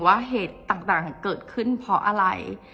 ว่าเหตุต่างเกิดขึ้นเพราะอะไร